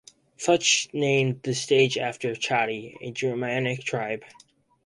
Fuchs named the stage after the Chatti, a Germanic tribe.